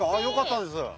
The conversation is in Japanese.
よかったです。